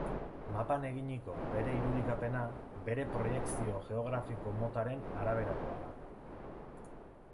Mapan eginiko bere irudikapena, bere proiekzio geografiko motaren araberakoa da.